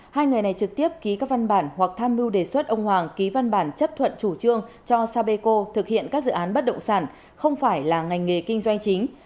hai người này trực tiếp ký các văn bản hoặc tham mưu đề xuất ông hoàng ký văn bản chấp thuận chủ trương cho sapeco thực hiện các dự án bất động sản không phải là ngành nghề kinh doanh chính